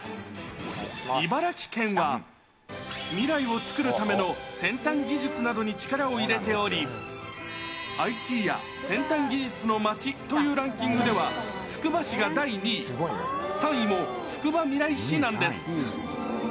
いばけんは未来を創るための先端技術などに力を入れており、ＩＴや先端技術のまちというランキングでは、つくば市が第２位、３位もつくばみらい市なんです。